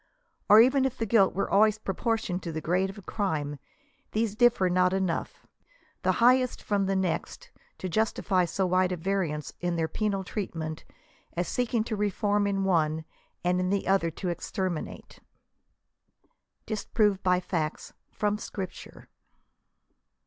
Or even if the guilt were always proportioned to the grade of crime, these differ not enough, the highest from the next, to justify so wide a variance in their penal treatment, as seeking to reform in one, and in the other to exterminate. DISPROVED BY FACTS .' FROM SCRIPTURE.